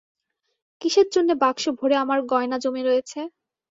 কিসের জন্যে বাক্স ভরে আমার গয়না জমে রয়েছে?